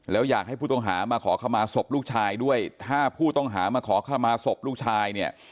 แล้วอยากให้ผู้ต้องหามาขอขมาศพลูกชายด้วยถ้าผู้ต้องหามาขอขมาศพลูกชายเนี่ย